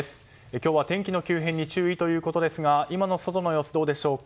今日は天気の急変に注意ということですが今の外の様子、どうでしょうか。